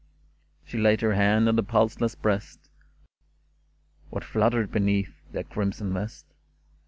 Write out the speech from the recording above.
'* She laid her hand on the pulseless breast ! What fluttered beneath the crimson vest